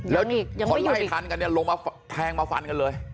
แล้วพอไล่ทันกันเนี่ยลงมาแทงมาฟันกันเลย